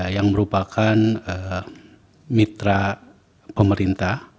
yang merupakan mitra pemerintah